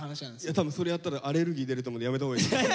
多分それやったらアレルギー出ると思うんでやめたほうがいい。